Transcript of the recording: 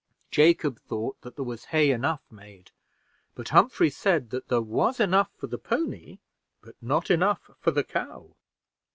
Jacob thought that there was hay enough made, but Humphrey said that there was enough for the pony, but not enough for the cow.